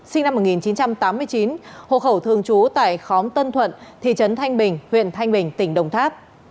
sinh năm một nghìn chín trăm tám mươi chín hộ khẩu thường trú tại khóm tân thuận thị trấn thanh bình huyện thanh bình tỉnh đồng tháp